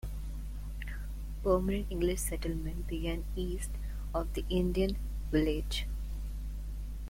Permanent English settlement began east of the Indian village.